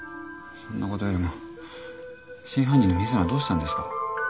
そんな事よりも真犯人の水野はどうしたんですか？